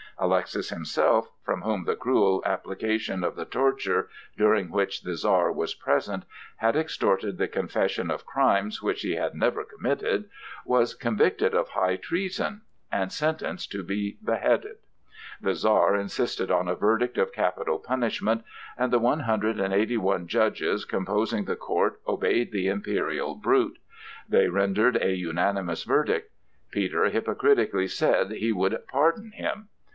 Alexis himself, from whom the cruel application of the torture (during which the Czar was present) had extorted the confession of crimes which he had never committed, was convicted of high treason and sentenced to be beheaded. The Czar insisted on a verdict of capital punishment, and the one hundred and eighty one judges composing the court obeyed the imperial brute; they rendered a unanimous verdict. Peter hypocritically said that he would pardon him.